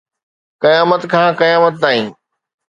قيامت کان قيامت تائين